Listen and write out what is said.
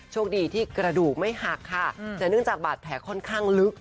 โชคดีที่กระดูกไม่หักค่ะแต่เนื่องจากบาดแผลค่อนข้างลึก